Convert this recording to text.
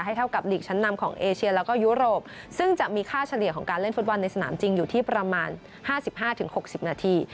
เท่ากับลีกชั้นนำของเอเชียแล้วก็ยุโรปซึ่งจะมีค่าเฉลี่ยของการเล่นฟุตบอลในสนามจริงอยู่ที่ประมาณ๕๕๖๐นาที